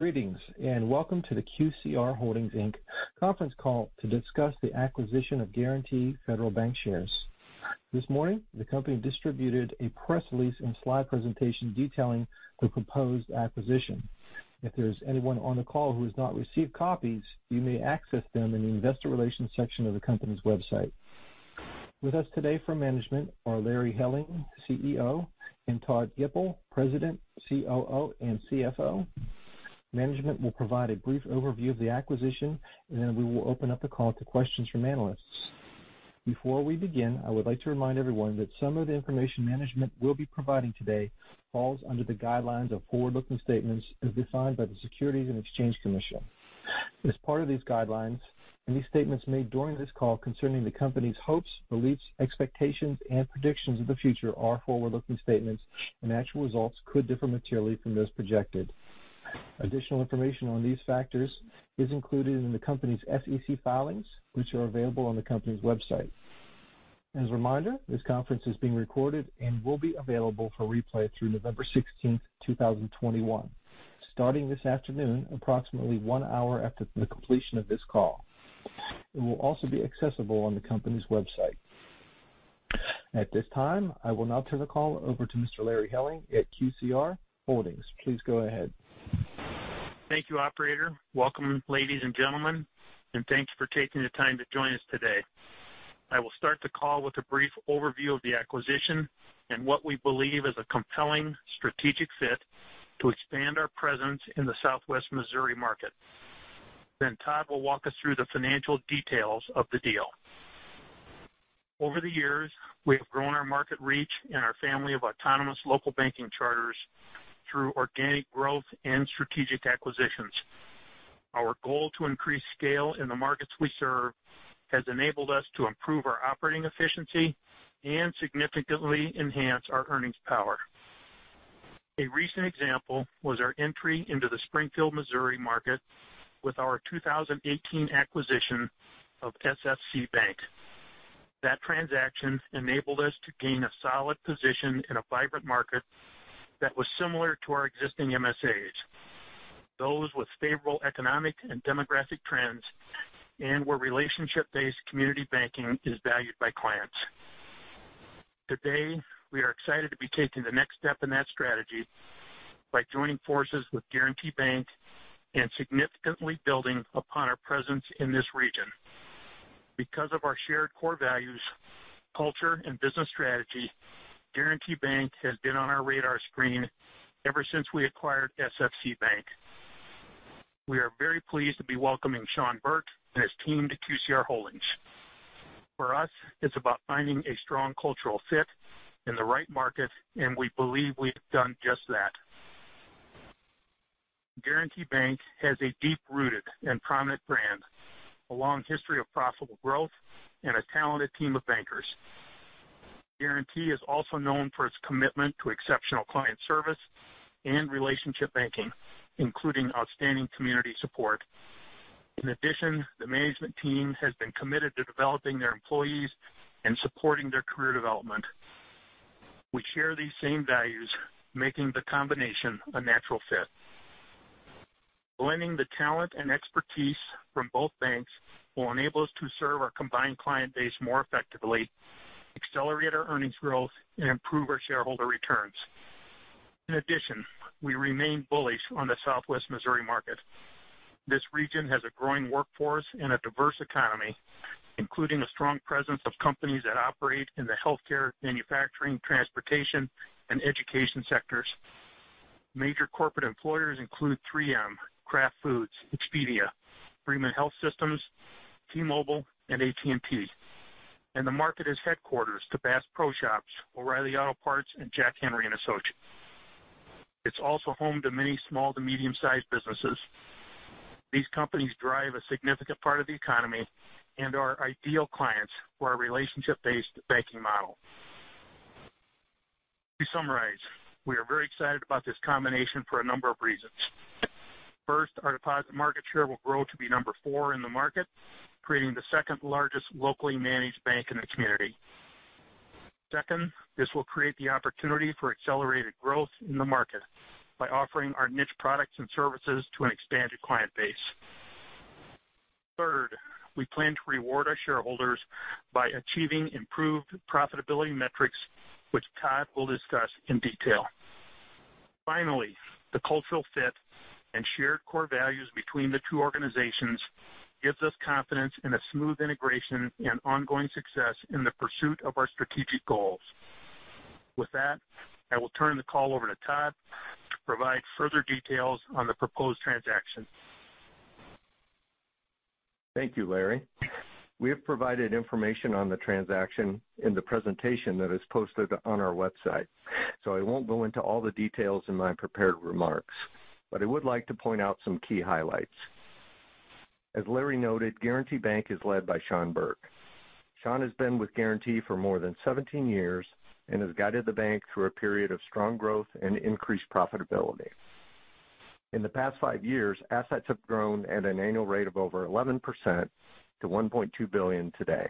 Greetings and welcome to the QCR Holdings Inc Conference Call to discuss the acquisition of Guaranty Federal Bancshares. This morning, the company distributed a press release and slide presentation detailing the proposed acquisition. If there is anyone on the call who has not received copies, you may access them in the investor relations section of the company's website. With us today from management are Larry Helling, CEO, and Todd Gipple, President, COO, and CFO. Management will provide a brief overview of the acquisition, and then we will open up the call to questions from Analysts. Before we begin, I would like to remind everyone that some of the information management will be providing today falls under the guidelines of forward-looking statements as defined by the Securities and Exchange Commission. As part of these guidelines, any statements made during this call concerning the company's hopes, beliefs, expectations, and predictions of the future are forward-looking statements, and actual results could differ materially from those projected. Additional information on these factors is included in the company's SEC filings, which are available on the company's website. As a reminder, this conference is being recorded and will be available for replay through November 16th, 2021, starting this afternoon approximately one hour after the completion of this call. It will also be accessible on the company's website. At this time, I will now turn the call over to Mr. Larry Helling at QCR Holdings. Please go ahead. Thank you, Operator. Welcome, ladies and gentlemen, and thanks for taking the time to join us today. I will start the call with a brief overview of the acquisition and what we believe is a compelling strategic fit to expand our presence in the Southwest Missouri market. Then Todd will walk us through the financial details of the deal. Over the years, we have grown our market reach and our family of Autonomous Local Banking charters through organic growth and strategic acquisitions. Our goal to increase scale in the markets we serve has enabled us to improve our operating efficiency and significantly enhance our earnings power. A recent example was our entry into the Springfield, Missouri market with our 2018 acquisition of SFC Bank. That transaction enabled us to gain a solid position in a vibrant market that was similar to our existing MSAs, those with favorable economic and demographic trends and where relationship-based community banking is valued by clients. Today, we are excited to be taking the next step in that strategy by joining forces with Guaranty Bank and significantly building upon our presence in this region. Because of our shared core values, culture, and business strategy, Guaranty Bank has been on our Radar Screen ever since we acquired SFC Bank. We are very pleased to be welcoming Sean Burke and his team to QCR Holdings. For us, it's about finding a strong cultural fit in the right market, and we believe we have done just that. Guaranty Bank has a deep-rooted and prominent brand, a long history of profitable growth, and a talented team of bankers. Guaranty is also known for its commitment to exceptional client service and relationship banking, including outstanding community support. In addition, the management team has been committed to developing their employees and supporting their career development. We share these same values, making the combination a natural fit. Blending the talent and expertise from both banks will enable us to serve our combined client base more effectively, accelerate our earnings growth, and improve our shareholder returns. In addition, we remain bullish on the Southwest Missouri market. This region has a growing workforce and a diverse economy, including a strong presence of companies that operate in the healthcare, manufacturing, transportation, and education sectors. Major corporate employers include 3M, Kraft Foods, Expedia, Freeman Health Systems, T-Mobile, and AT&T, and the market is headquarters to Bass Pro Shops, O'Reilly Auto Parts, and Jack Henry & Associates. It's also home to many small to medium-sized businesses. These companies drive a significant part of the economy and are ideal clients for our relationship-based banking model. To summarize, we are very excited about this combination for a number of reasons. First, our deposit market share will grow to be number four in the market, creating the second largest locally managed bank in the community. Second, this will create the opportunity for accelerated growth in the market by offering our niche products and services to an expanded client base. Third, we plan to reward our shareholders by achieving improved profitability metrics, which Todd will discuss in detail. Finally, the cultural fit and shared core values between the two organizations give us confidence in a smooth integration and ongoing success in the pursuit of our strategic goals. With that, I will turn the call over to Todd to provide further details on the proposed transaction. Thank you, Larry. We have provided information on the transaction in the presentation that is posted on our website, so I won't go into all the details in my prepared remarks, but I would like to point out some key highlights. As Larry noted, Guaranty Bank is led by Sean Burke. Sean has been with Guaranty for more than 17 years and has guided the bank through a period of strong growth and increased profitability. In the past five years, assets have grown at an annual rate of over 11% to $1.2 billion today.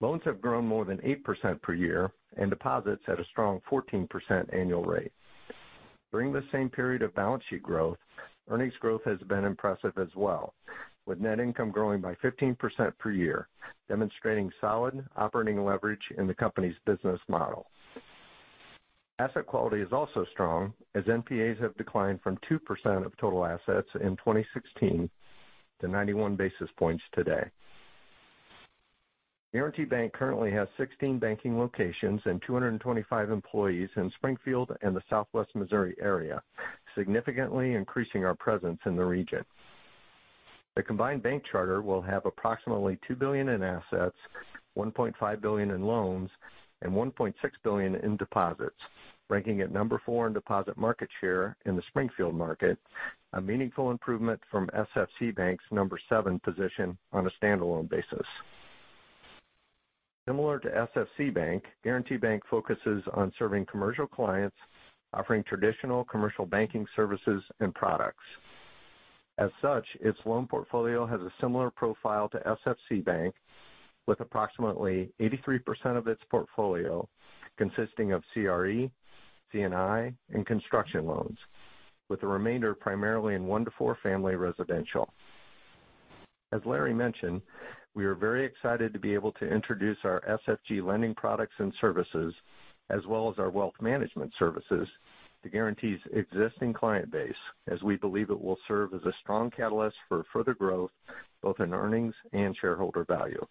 Loans have grown more than 8% per year and deposits at a strong 14% annual rate. During the same period of Balance Sheet growth, earnings growth has been impressive as well, with net income growing by 15% per year, demonstrating solid operating leverage in the company's business model. Asset quality is also strong as NPAs have declined from 2% of total assets in 2016 to 91 basis points today. Guaranty Bank currently has 16 banking locations and 225 employees in Springfield and the Southwest Missouri area, significantly increasing our presence in the region. The combined bank charter will have approximately $2 billion in assets, $1.5 billion in loans, and $1.6 billion in deposits, ranking it number four in deposit market share in the Springfield market, a meaningful improvement from SFC Bank's number seven position on a standalone basis. Similar to SFC Bank, Guaranty Bank focuses on serving commercial clients, offering traditional Commercial Banking services and products. As such, its loan portfolio has a similar profile to SFC Bank, with approximately 83% of its portfolio consisting of CRE, C&I, and Construction Loans, with the remainder primarily in One-to-four Family Residential. As Larry mentioned, we are very excited to be able to introduce our SFC lending products and services, as well as our Wealth Management Services, to Guaranty's existing client base, as we believe it will serve as a strong catalyst for further growth, both in earnings and shareholder value.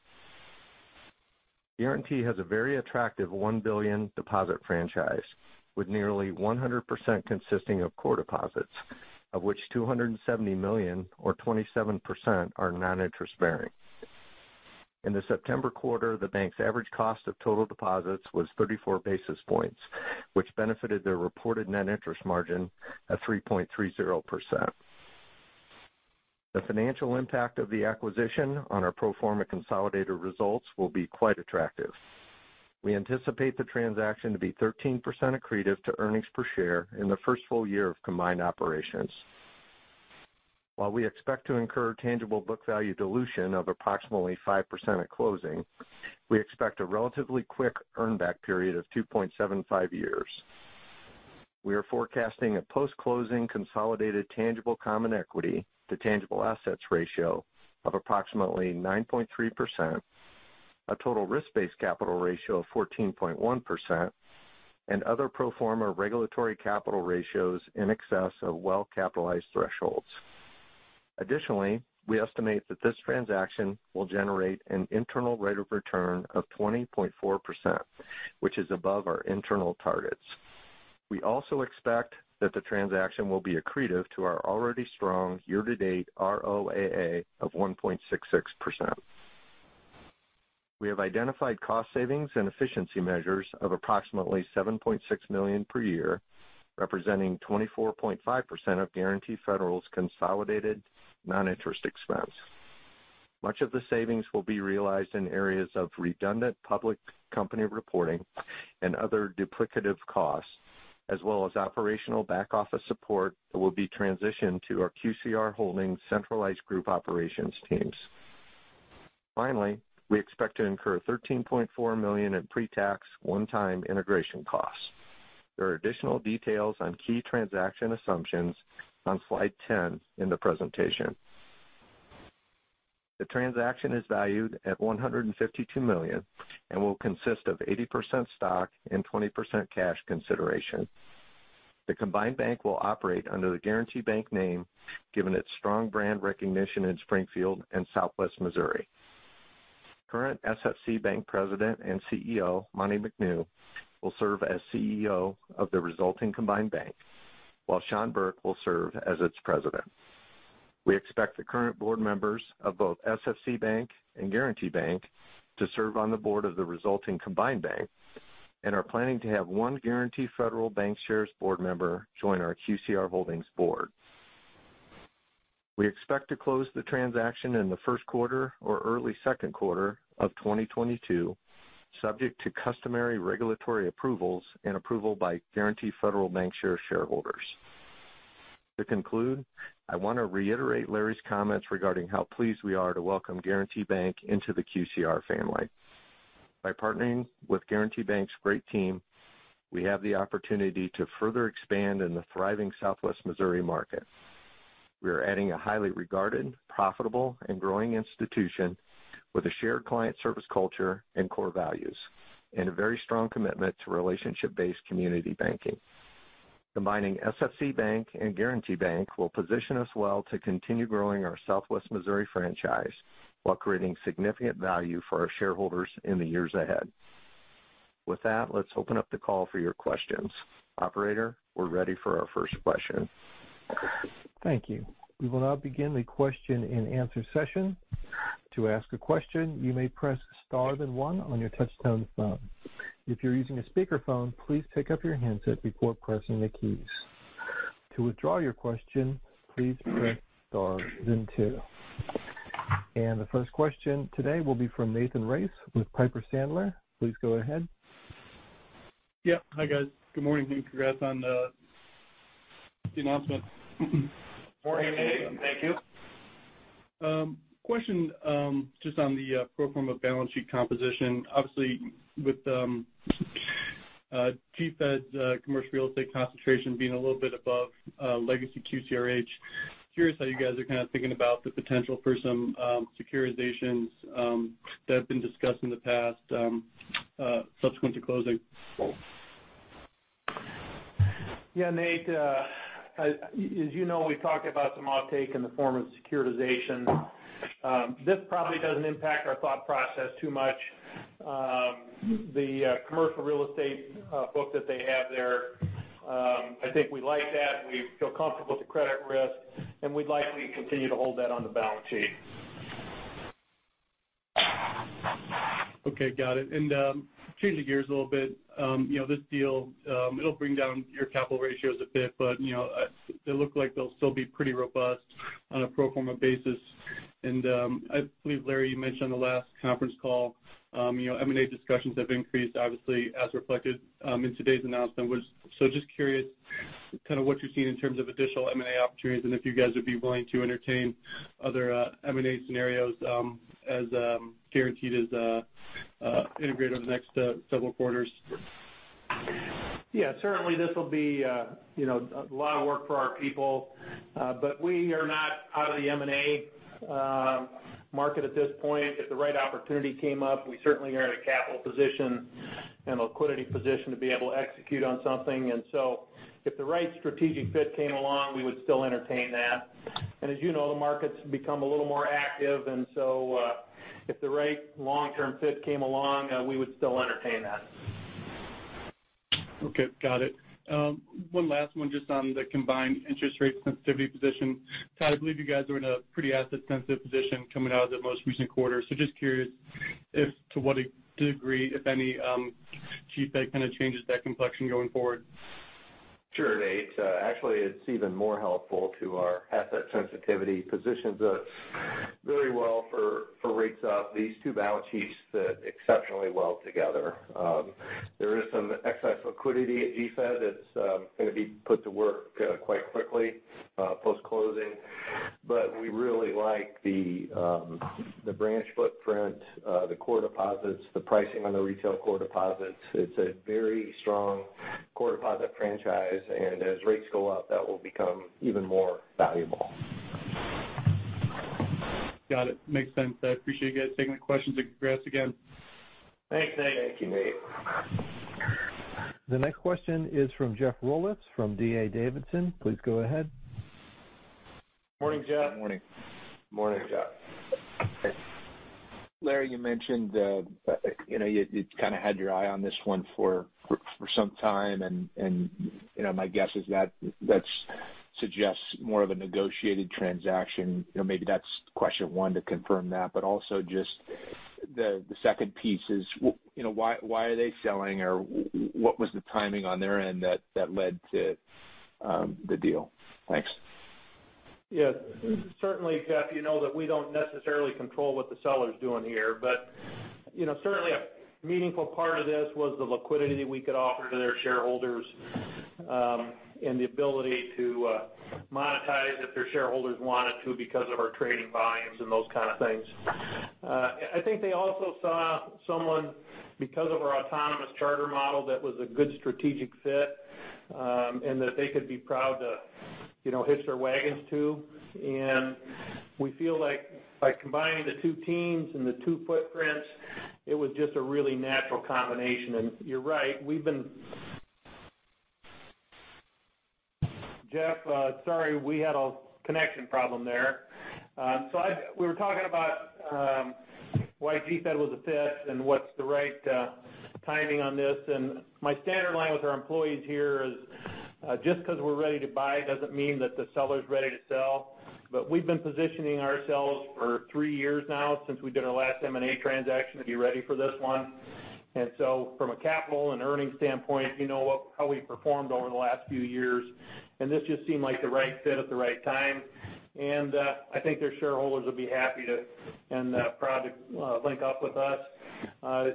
Guaranty has a very attractive $1 billion deposit franchise, with nearly 100% consisting of Core Deposits, of which $270 million, or 27%, are non-interest-bearing. In the September quarter, the bank's average cost of total deposits was 34 basis points, which benefited their reported net interest margin of 3.30%. The financial impact of the acquisition on our pro forma consolidated results will be quite attractive. We anticipate the transaction to be 13% accretive to earnings per share in the 1st full year of combined operations. While we expect to incur tangible book value dilution of approximately 5% at closing, we expect a relatively quick earnback period of 2.75 years. We are forecasting a post-closing consolidated tangible common equity to tangible assets ratio of approximately 9.3%, a total risk-based capital ratio of 14.1%, and other pro forma regulatory capital ratios in excess of well-capitalized thresholds. Additionally, we estimate that this transaction will generate an internal rate of return of 20.4%, which is above our internal targets. We also expect that the transaction will be accretive to our already strong year-to-date ROAA of 1.66%. We have identified cost savings and efficiency measures of approximately $7.6 million per year, representing 24.5% of Guaranty Federal's consolidated non-interest expense. Much of the savings will be realized in areas of redundant public company reporting and other duplicative costs, as well as operational back-office support that will be transitioned to our QCR Holdings centralized group operations teams. Finally, we expect to incur $13.4 million in pre-tax one-time integration costs. There are additional details on key transaction assumptions on slide 10 in the presentation. The transaction is valued at $152 million and will consist of 80% stock and 20% cash consideration. The combined bank will operate under the Guaranty Bank name, given its strong brand recognition in Springfield and Southwest Missouri. Current SFC Bank President and CEO, Monte McNew, will serve as CEO of the resulting combined bank, while Sean Burke will serve as its president. We expect the current board members of both SFC Bank and Guaranty Bank to serve on the board of the resulting combined bank and are planning to have one Guaranty Federal Bancshares board member join our QCR Holdings board. We expect to close the transaction in the 1st quarter or early 2nd quarter of 2022, subject to Customary Regulatory approvals and approval by Guaranty Federal Bancshares shareholders. To conclude, I want to reiterate Larry's comments regarding how pleased we are to welcome Guaranty Bank into the QCR family. By partnering with Guaranty Bank's great team, we have the opportunity to further expand in the thriving Southwest Missouri market. We are adding a highly regarded, profitable, and growing institution with a shared client service culture and core values and a very strong commitment to relationship-based community banking. Combining SFC Bank and Guaranty Bank will position us well to continue growing our Southwest Missouri franchise while creating significant value for our shareholders in the years ahead. With that, let's open up the call for your questions. Operator, we're ready for our first question. Thank you. We will now begin the question and answer session. To ask a question, you may press star then one on your touch-tone phone. If you're using a speakerphone, please pick up your handset before pressing the keys. To withdraw your question, please press star then two. The first question today will be from Nathan Race with Piper Sandler. Please go ahead. Yep. Hi, guys. Good morning. Congrats on the announcement. Morning, Nathan. Thank you. Question just on the pro forma Balance Sheet composition. Obviously, with Guaranty Bank's Commercial Real Estate concentration being a little bit above legacy QCR, curious how you guys are kind of thinking about the potential for some securitizations that have been discussed in the past subsequent to closing. Yeah, Nathan. As you know, we talked about some off-take in the form of securitization. This probably does not impact our thought process too much. The Commercial Real Estate book that they have there, I think we like that. We feel comfortable with the credit risk, and we would likely continue to hold that on the Balance Sheet. Okay, got it. Changing gears a little bit, this deal, it'll bring down your Capital Ratios a bit, but it looks like they'll still be pretty robust on a pro forma basis. I believe, Larry, you mentioned on the last conference call, M&A discussions have increased, obviously, as reflected in today's announcement. Just curious kind of what you've seen in terms of additional M&A opportunities and if you guys would be willing to entertain other M&A scenarios as Guaranty is integrated over the next several quarters. Yeah, certainly, this will be a lot of work for our people, but we are not out of the M&A market at this point. If the right opportunity came up, we certainly are in a capital position and a liquidity position to be able to execute on something. If the right strategic fit came along, we would still entertain that. As you know, the markets become a little more active, and if the right long-term fit came along, we would still entertain that. Okay, got it. One last one just on the combined interest rate sensitivity position. Todd, I believe you guys are in a pretty asset-sensitive position coming out of the most recent quarter. Just curious to what degree, if any, QCR kind of changes that complexion going forward. Sure, Nathan. Actually, it's even more helpful to our asset sensitivity positions. Very well for rates up. These two Balance Sheets fit exceptionally well together. There is some excess liquidity at GFED that's going to be put to work quite quickly post-closing, but we really like the branch footprint, the Core Deposits, the pricing on the retail Core Deposits. It's a very strong Core Deposit franchise, and as rates go up, that will become even more valuable. Got it. Makes sense. I appreciate you guys taking the questions. Congrats again. Thanks, Nate. Thank you, Nate. The next question is from Jeff Rulis from D.A. Davidson. Please go ahead. Morning, Jeff. Good morning. Morning, Jeff. Larry, you mentioned you kind of had your eye on this one for some time, and my guess is that that suggests more of a negotiated transaction. Maybe that's question one to confirm that, but also just the 2nd piece is why are they selling, or what was the timing on their end that led to the deal? Thanks. Yeah. Certainly, Jeff, you know that we do not necessarily control what the seller is doing here, but certainly, a meaningful part of this was the liquidity that we could offer to their shareholders and the ability to monetize if their shareholders wanted to because of our trading volumes and those kind of things. I think they also saw someone, because of our Autonomous Charter Model, that was a good strategic fit and that they could be proud to hitch their wagons to. We feel like by combining the two teams and the two footprints, it was just a really natural combination. You are right, we have been—Jeff, sorry, we had a connection problem there. We were talking about why GFED was a fit and what is the right timing on this. My standard line with our employees here is just because we're ready to buy doesn't mean that the seller's ready to sell, but we've been positioning ourselves for three years now since we did our last M&A transaction to be ready for this one. From a capital and earnings standpoint, you know how we performed over the last few years, and this just seemed like the right fit at the right time. I think their shareholders will be happy and proud to link up with us.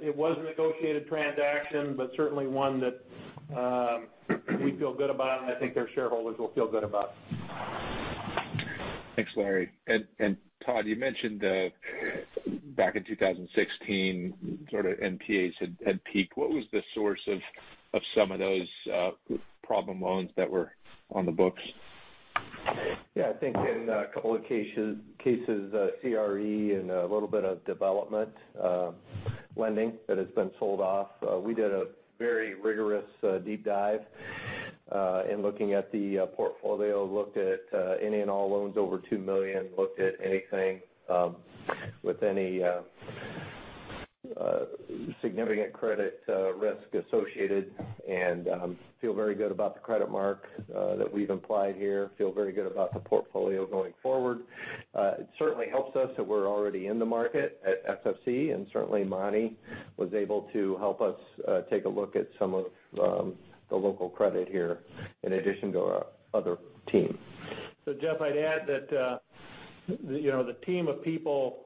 It was a negotiated transaction, but certainly one that we feel good about, and I think their shareholders will feel good about. Thanks, Larry. Todd, you mentioned back in 2016, sort of NPAs had peaked. What was the source of some of those problem loans that were on the books? Yeah, I think in a couple of cases, CRE and a little bit of development lending that has been sold off. We did a very rigorous deep dive in looking at the portfolio, looked at any and all loans over $2 million, looked at anything with any significant credit risk associated, and feel very good about the credit mark that we've implied here. Feel very good about the portfolio going forward. It certainly helps us that we're already in the market at SFC, and certainly, Monty was able to help us take a look at some of the local credit here in addition to our other team. Jeff, I'd add that the team of people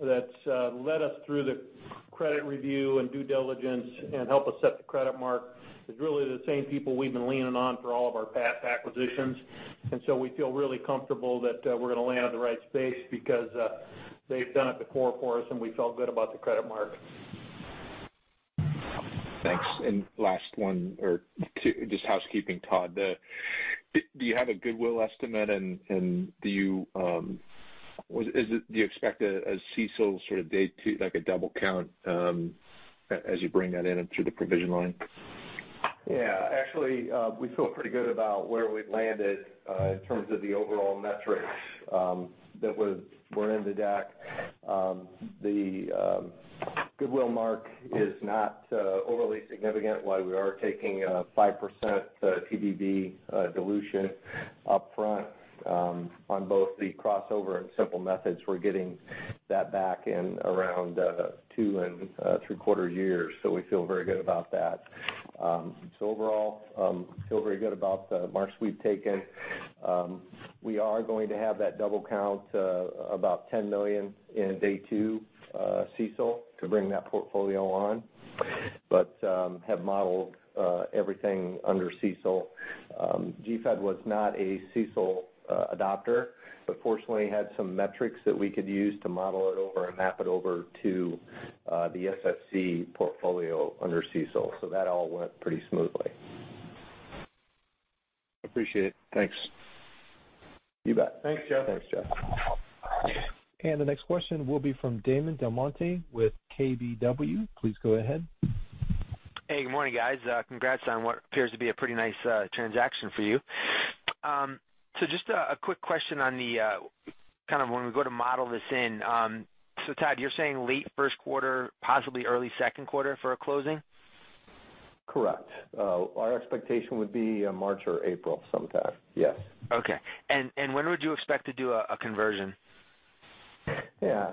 that's led us through the credit review and due diligence and helped us set the credit mark is really the same people we've been leaning on for all of our past acquisitions. We feel really comfortable that we're going to land in the right space because they've done it before for us, and we felt good about the credit mark. Thanks. Last one, just housekeeping, Todd, do you have a Goodwill estimate, and do you expect a CECL sort of date to like a double count as you bring that in through the provision line? Yeah. Actually, we feel pretty good about where we've landed in terms of the overall metrics that are in the deck. The Goodwill mark is not overly significant, while we are taking a 5% TBV dilution upfront on both the crossover and simple methods. We're getting that back in around two and three-quarter years, so we feel very good about that. Overall, feel very good about the marks we've taken. We are going to have that double count, about $10 million in Day two CECL to bring that portfolio on, but have modeled everything under CECL. GFED was not a CECL adopter, but fortunately, had some metrics that we could use to model it over and map it over to the SFC portfolio under CECL. That all went pretty smoothly. Appreciate it. Thanks. You bet. Thanks, Jeff. Thanks, Jeff. The next question will be from Damon DelMonte with KBW. Please go ahead. Hey, good morning, guys. Congrats on what appears to be a pretty nice transaction for you. Just a quick question on the kind of when we go to model this in. Todd, you're saying late first quarter, possibly early 2ndquarter for a closing? Correct. Our expectation would be March or April sometime. Yes. Okay. When would you expect to do a conversion? Yeah.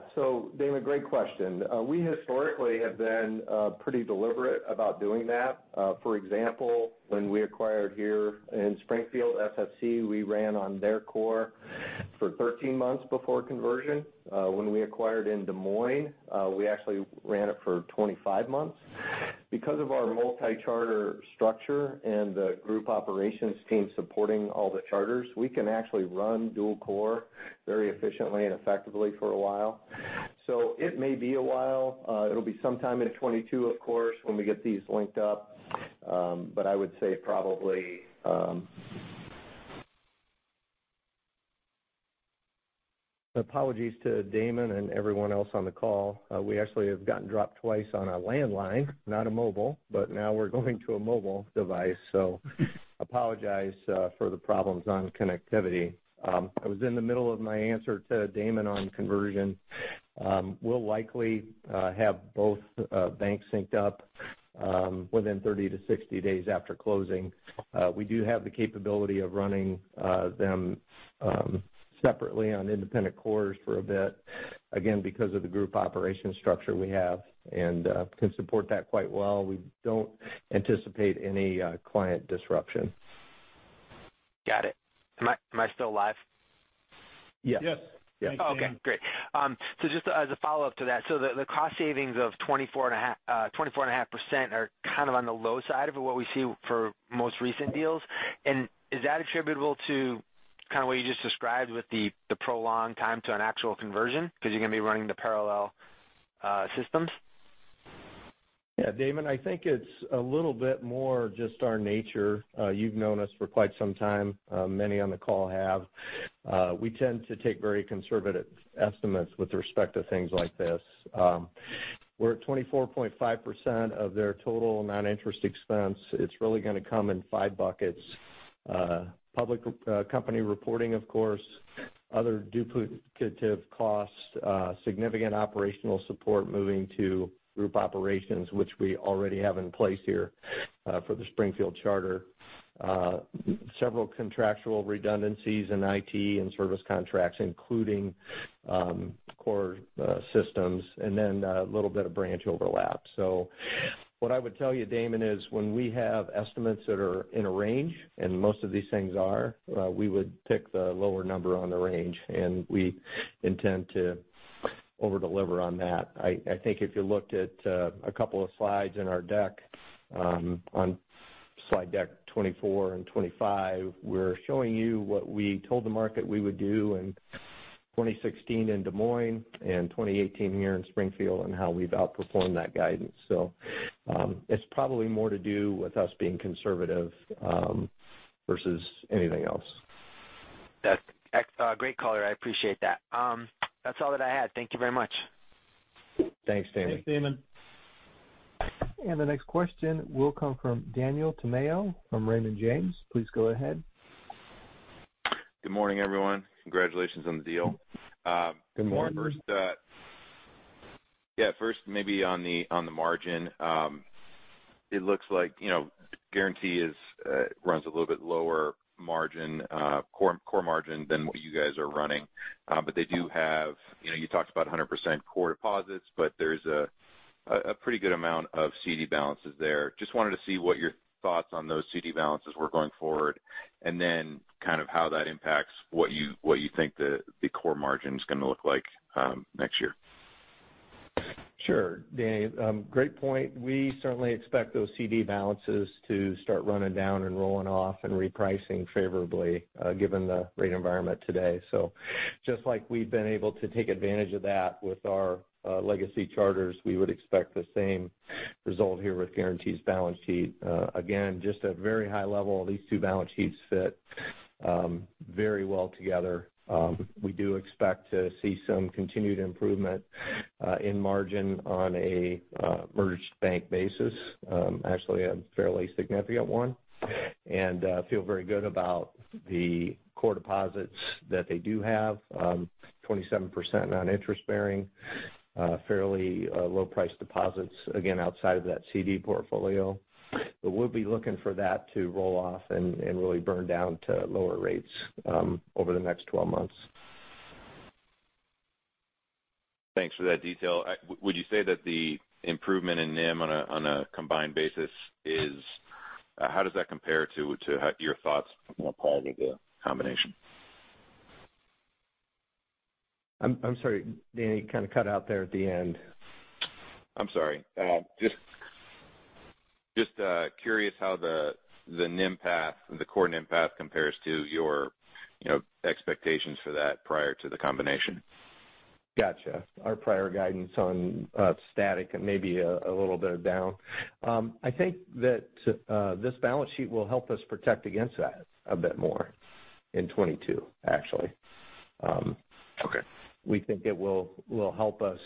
Damon, great question. We historically have been pretty deliberate about doing that. For example, when we acquired here in Springfield, SFC, we ran on their core for 13 months before conversion. When we acquired in Des Moines, we actually ran it for 25 months. Because of our multi-charter structure and the Group Operations Team supporting all the charters, we can actually run dual core very efficiently and effectively for a while. It may be a while. It will be sometime in 2022, of course, when we get these linked up, but I would say probably. Apologies to Damon and everyone else on the call. We actually have gotten dropped twice on a landline, not a mobile, but now we're going to a mobile device. Apologize for the problems on connectivity. I was in the middle of my answer to Damon on conversion. We'll likely have both banks synced up within 30-60 days after closing. We do have the capability of running them separately on independent cores for a bit, again, because of the group operations structure we have and can support that quite well. We don't anticipate any client disruption. Got it. Am I still live? Yes. Yes. Oh, okay. Okay. Great. Just as a follow-up to that, the cost savings of 24.5% are kind of on the low side of what we see for most recent deals. Is that attributable to what you just described with the prolonged time to an actual conversion because you're going to be running the Parallel Systems? Yeah. Damon, I think it's a little bit more just our nature. You've known us for quite some time. Many on the call have. We tend to take very conservative estimates with respect to things like this. We're at 24.5% of their total non-interest expense. It's really going to come in five buckets: public company reporting, of course, other duplicative costs, significant operational support moving to group operations, which we already have in place here for the Springfield charter, several contractual redundancies in IT and service contracts, including Core Systems, and then a little bit of branch overlap. What I would tell you, Damon, is when we have estimates that are in a range, and most of these things are, we would pick the lower number on the range, and we intend to overdeliver on that. I think if you looked at a couple of slides in our deck, on slide deck 24 and 25, we're showing you what we told the market we would do in 2016 in Des Moines and 2018 here in Springfield and how we've outperformed that guidance. It is probably more to do with us being conservative versus anything else. That's great, Caller. I appreciate that. That's all that I had. Thank you very much. Thanks, Damon. Thanks, Damon. The next question will come from Daniel Tamayo from Raymond James. Please go ahead. Good morning, everyone. Congratulations on the deal. Good morning. Yeah. First, maybe on the margin, it looks like Guaranty runs a little bit lower margin, core margin than what you guys are running. But they do have—you talked about 100% Core Deposits, but there is a pretty good amount of CD balances there. Just wanted to see what your thoughts on those CD balances were going forward and then kind of how that impacts what you think the core margin is going to look like next year. Sure. Great point. We certainly expect those CD balances to start running down and rolling off and repricing favorably given the rate environment today. Just like we've been able to take advantage of that with our legacy charters, we would expect the same result here with Guaranty's Balance Sheet. Again, just at a very high level, these two Balance Sheets fit very well together. We do expect to see some continued improvement in margin on a merged bank basis, actually a fairly significant one, and feel very good about the Core Deposits that they do have: 27% non-interest bearing, fairly low-priced deposits, again, outside of that CD portfolio. We'll be looking for that to roll off and really burn down to lower rates over the next 12 months. Thanks for that detail. Would you say that the improvement in NIM on a combined basis is—how does that compare to your thoughts? Apply to the combination. I'm sorry, Daniel, you kind of cut out there at the end. I'm sorry. Just curious how the NIM path, the core NIM path, compares to your expectations for that prior to the combination. Gotcha. Our prior guidance on static and maybe a little bit down. I think that this Balance Sheet will help us protect against that a bit more in 2022, actually. Okay. We think it will help us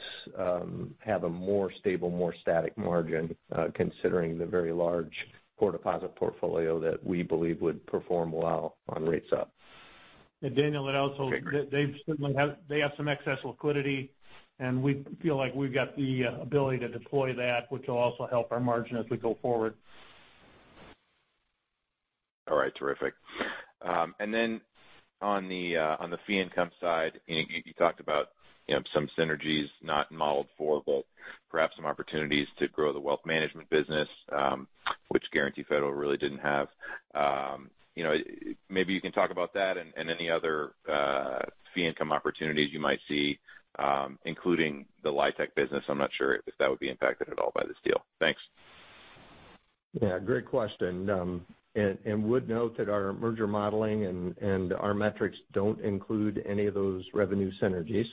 have a more stable, more static margin considering the very Large Core Deposit portfolio that we believe would perform well on rates up. Daniel, they also have some excess liquidity, and we feel like we've got the ability to deploy that, which will also help our margin as we go forward. All right. Terrific. And then on the fee income side, you talked about some synergies, not modeled for, but perhaps some opportunities to grow the Wealth Management business, which Guaranty Federal really did not have. Maybe you can talk about that and any other fee income opportunities you might see, including the LIHTC business. I'm not sure if that would be impacted at all by this deal. Thanks. Yeah. Great question. I would note that our merger modeling and our metrics do not include any of those revenue synergies,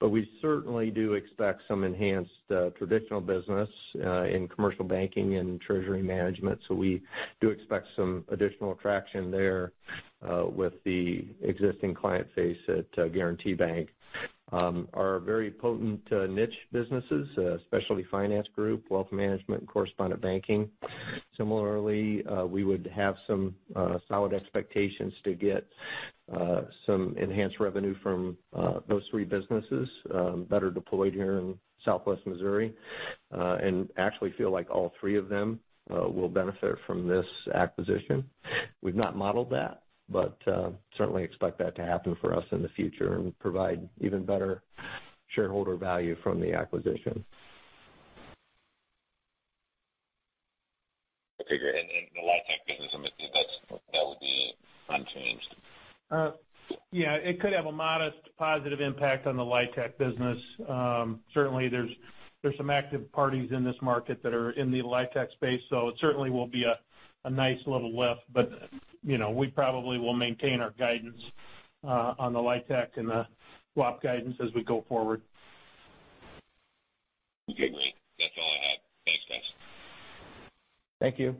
but we certainly do expect some enhanced traditional business in Commercial Banking and Treasury Management. We do expect some additional traction there with the existing client base at Guaranty Bank. Our very potent niche businesses, especially Equipment Finance, Wealth Management, and Correspondent Banking. Similarly, we would have some solid expectations to get some enhanced revenue from those three businesses that are deployed here in Southwest Missouri and actually feel like all three of them will benefit from this acquisition. We have not modeled that, but certainly expect that to happen for us in the future and provide even better shareholder value from the acquisition. Okay. The LIHTC business, that would be unchanged. Yeah. It could have a modest positive impact on the LIHTC business. Certainly, there's some active parties in this market that are in the LIHTC space, so it certainly will be a nice little lift, but we probably will maintain our guidance on the LIHTC and the Swap Guidance as we go forward. Okay. Great. That's all I have. Thanks, guys. Thank you.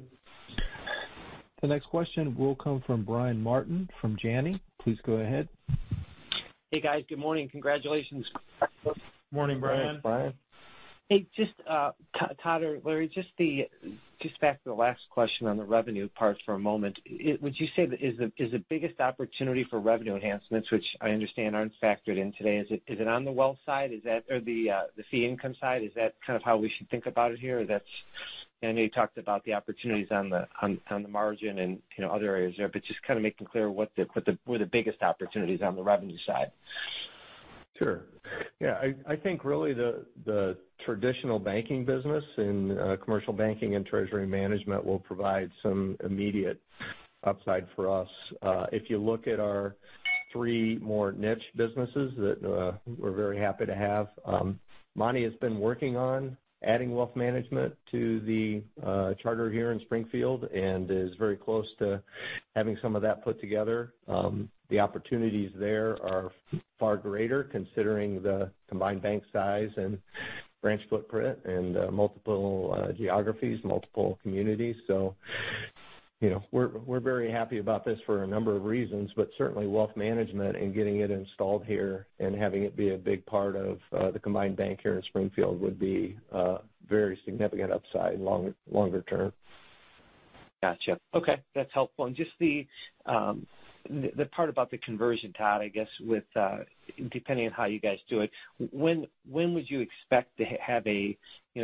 The next question will come from Brian Martin from Janney. Please go ahead. Hey, guys. Good morning. Congratulations. Morning, Brian. Morning, Brian. Hey, just Todd or Larry, just back to the last question on the revenue part for a moment. Would you say that is the biggest opportunity for revenue enhancements, which I understand aren't factored in today? Is it on the wealth side or the fee income side? Is that kind of how we should think about it here? I know you talked about the opportunities on the margin and other areas there, but just kind of making clear what are the biggest opportunities on the revenue side. Sure. Yeah. I think really the traditional banking business and Commercial Banking and Treasury Management will provide some immediate upside for us. If you look at our three more niche businesses that we're very happy to have, Monty has been working on adding Wealth Management to the charter here in Springfield and is very close to having some of that put together. The opportunities there are far greater considering the combined bank size and branch footprint and multiple geographies, multiple communities. We are very happy about this for a number of reasons, but certainly Wealth Management and getting it installed here and having it be a big part of the combined bank here in Springfield would be a very significant upside longer term. Gotcha. Okay. That's helpful. Just the part about the conversion, Todd, I guess, depending on how you guys do it, when would you expect to have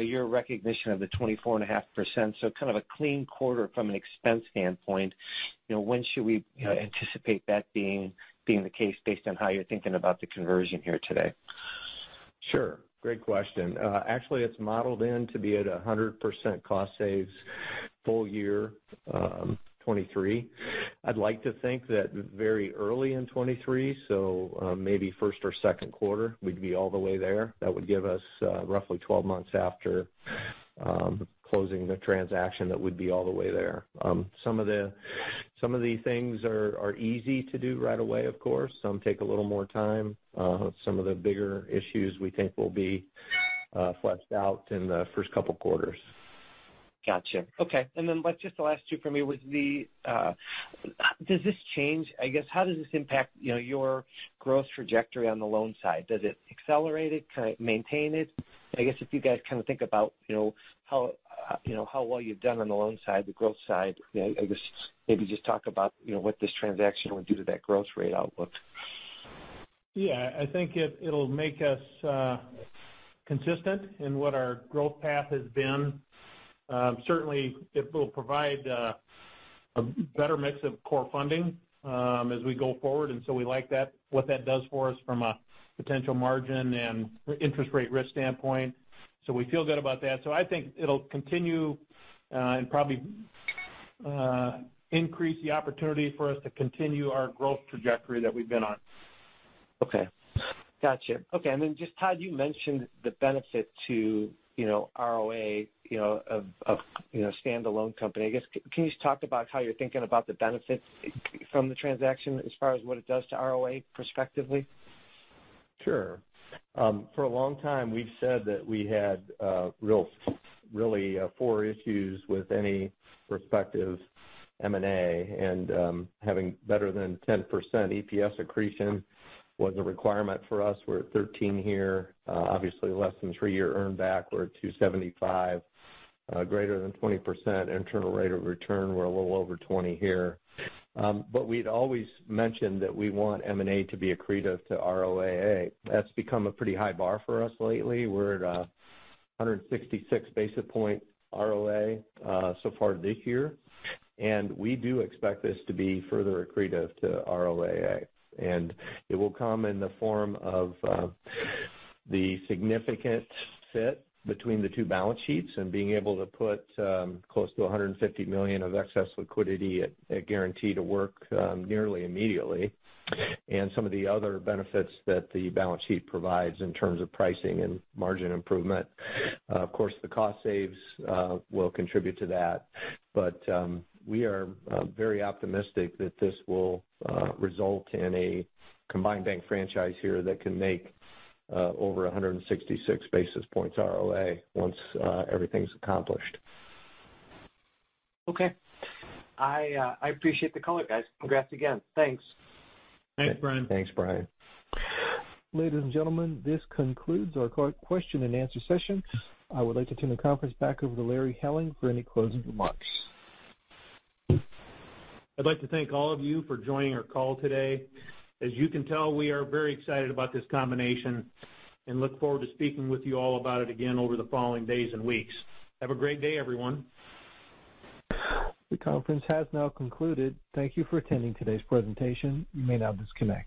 your recognition of the 24.5%? Kind of a clean quarter from an expense standpoint, when should we anticipate that being the case based on how you're thinking about the conversion here today? Sure. Great question. Actually, it's modeled in to be at 100% cost saves full year 2023. I'd like to think that very early in 2023, so maybe 1st or 2nd quarter, we'd be all the way there. That would give us roughly 12 months after closing the transaction that would be all the way there. Some of the things are easy to do right away, of course. Some take a little more time. Some of the bigger issues we think will be flushed out in the 1st couple of quarters. Gotcha. Okay. Just the last two for me was does this change, I guess, how does this impact your growth trajectory on the loan side? Does it accelerate it, maintain it? I guess if you guys kind of think about how well you've done on the loan side, the growth side, I guess maybe just talk about what this transaction would do to that growth rate outlook. Yeah. I think it'll make us consistent in what our growth path has been. Certainly, it will provide a better mix of core funding as we go forward. We like what that does for us from a potential margin and interest rate risk standpoint. We feel good about that. I think it'll continue and probably increase the opportunity for us to continue our growth trajectory that we've been on. Okay. Gotcha. Okay. Todd, you mentioned the benefit to ROA of a standalone company. I guess, can you just talk about how you're thinking about the benefit from the transaction as far as what it does to ROA perspectively? Sure. For a long time, we've said that we had really four issues with any prospective M&A, and having better than 10% EPS accretion was a requirement for us. We're at 13% here. Obviously, less than three-year earned back, we're at 2.75. Greater than 20% internal rate of return, we're a little over 20% here. We'd always mentioned that we want M&A to be accretive to ROAA. That's become a pretty high bar for us lately. We're at 166 basis points ROAA so far this year. We do expect this to be further accretive to ROAA. It will come in the form of the significant fit between the two Balance Sheets and being able to put close to $150 million of excess liquidity at Guaranty to work nearly immediately. Some of the other benefits that the Balance Sheet provides are in terms of pricing and margin improvement. Of course, the cost saves will contribute to that. We are very optimistic that this will result in a combined bank franchise here that can make over 166 basis points ROA once everything's accomplished. Okay. I appreciate the call, guys. Congrats again. Thanks. Thanks, Brian. Thanks, Brian. Ladies and gentlemen, this concludes our question and answer session. I would like to turn the conference back over to Larry Helling for any closing remarks. I'd like to thank all of you for joining our call today. As you can tell, we are very excited about this combination and look forward to speaking with you all about it again over the following days and weeks. Have a great day, everyone. The conference has now concluded. Thank you for attending today's presentation. You may now disconnect.